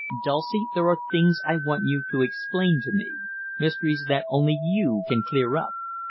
"Dulcie, there are things I want you to explain to me, mysteries that only you can clear up.